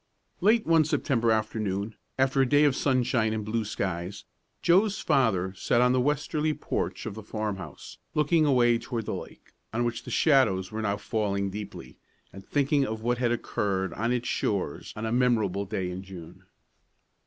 Late one September afternoon, after a day of sunshine and blue skies, Joe's father sat on the westerly porch of the farmhouse, looking away toward the lake, on which the shadows were now falling deeply, and thinking of what had occurred on its shores on a memorable day in June.